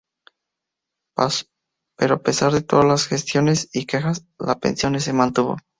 Pero a pesar de todas las gestiones y quejas, la pensión se mantuvo.